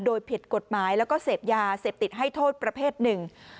โดยผิดกฎหมายแล้วก็เสพยาเสพติดให้โทษประเภทหนึ่ง